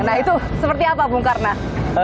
nah itu seperti apa bung karno